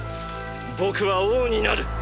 僕は王になる。